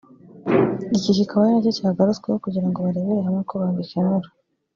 iki kikaba ari nacyo cyagarutsweho kugira ngo barebere hamwe uko bagikemura